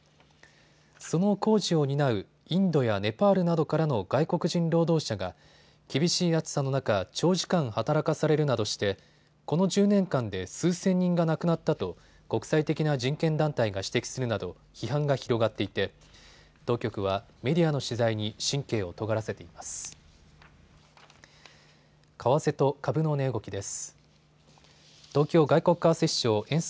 その工事を担うインドやネパールなどからの外国人労働者が厳しい暑さの中、長時間働かされるなどしてこの１０年間で数千人が亡くなったと国際的な人権団体が指摘するなど、批判が広がっていて当局はメディアの取材に神経をとがらせています。